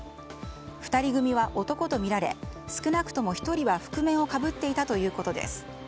２人組は男とみられ少なくとも１人は覆面をかぶっていたということです。